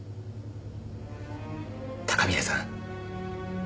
高宮さん。